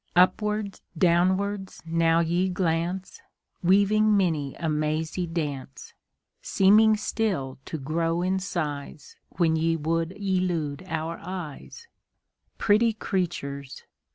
Upwards, downwards, now ye glance, Weaving many a mazy dance; Seeming still to grow in size When ye would elude our eyes Pretty creatures!